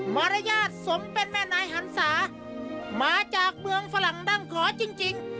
มารยาทสมเป็นแม่นายหันศามาจากเมืองฝรั่งดั้งขอจริง